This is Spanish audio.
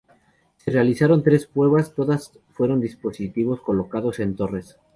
Se realizaron tres pruebas, todas fueron dispositivos colocados en torres.